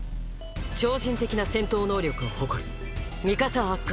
超人的な戦闘能力を誇るミカサ・アッカーマン。